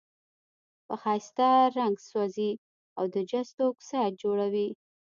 په ښایسته رنګ سوزي او د جستو اکسایډ جوړوي.